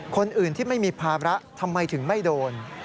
คนอื่นที่ไม่มีภาระทำไมถึงไม่โดน